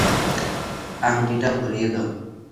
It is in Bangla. আংটিটা পরিয়ে দাও!